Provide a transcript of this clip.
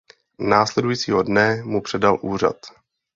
Následujícího dne mu předal úřad.